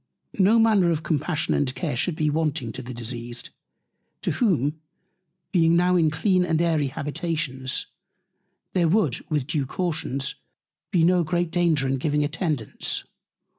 No Manner of Compassion and Care should be wanting to the Diseased; to whom, being now in clean and airy Habitations, there would, with due Cautions, be no great Danger in giving Attendance.